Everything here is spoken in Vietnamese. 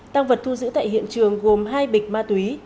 tăng vật thu giữ tại hiện trường gồm hai bịch ma túy